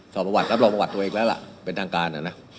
สอบประวัติรับรองประวัติตัวเองแล้วล่ะเป็นทางการนะ